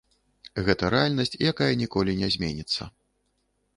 Гэта рэальнасць, якая ніколі не зменіцца.